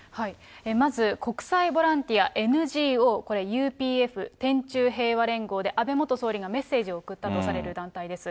まず国際ボランティアＮＧＯ、これＵＰＦ・天宙平和連合で、安倍元総理がメッセージを送ったとされる団体です。